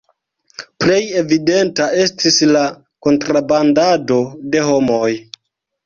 Plej evidenta estis la kontrabandado de homoj.